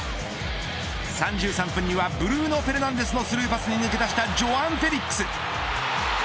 ３３分にはブルーノ・フェルナンデスのスルーパスに抜け出したジョアン・フェリックス。